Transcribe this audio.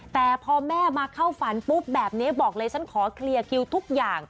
แต่พอแม่มาเข้าฝันปุ๊บแบบนี้บอกเลยฉันขอเคลียร์คิวทุกอย่าง